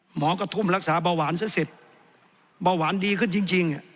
หมอก็ทุ่มรักษาเบาหวานซะเสร็จเบาหวานดีขึ้นจริง